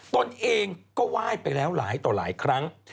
ตนเองก็ไหว้ไปแล้วหลายต่อหลายครั้ง